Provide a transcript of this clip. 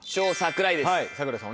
櫻井さん